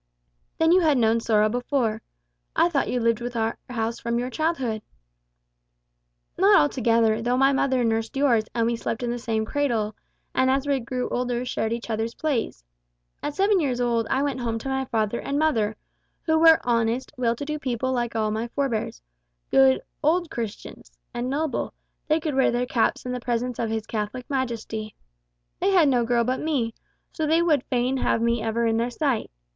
'" "Then you had known sorrow before. I thought you lived with our house from your childhood." "Not altogether; though my mother nursed yours, and we slept in the same cradle, and as we grew older shared each other's plays. At seven years old I went home to my father and mother, who were honest, well to do people, like all my forbears good 'old Christians,' and noble they could wear their caps in the presence of His Catholic Majesty. They had no girl but me, so they would fain have me ever in their sight.